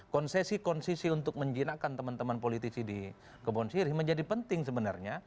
konsesi konsesisi untuk menjinakkan teman teman politisi di kebon sirih menjadi penting sebenarnya